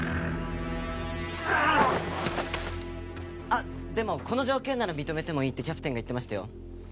あっでもこの条件なら認めてもいいってキャプテンが言ってましたよ。